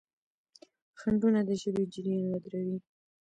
خنډونه د ژبې جریان ودروي.